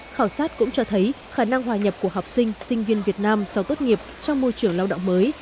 khảo sát cũng cho thấy khả năng hòa nhập của học sinh sinh viên việt nam sau tốt nghiệp trong môi trường lao động mới